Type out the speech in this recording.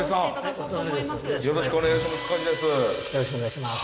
よろしくお願いします。